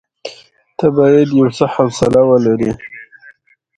اوسنۍ مکسیکو او مرکزي امریکا پکې شاملېږي.